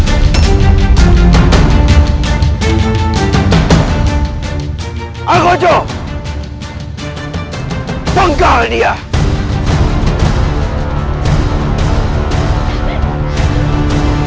aku akan menggantikan hukuman dari seseorang